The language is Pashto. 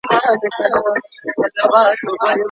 که د زړو موټرو تګ راتګ بند سي، نو د ښار هوا نه ککړیږي.